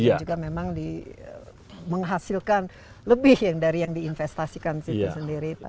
dan juga memang menghasilkan lebih dari yang diinvestasikan sendiri